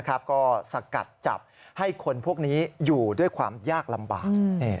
ก็สกัดจับให้คนพวกนี้อยู่ด้วยความยากลำบาก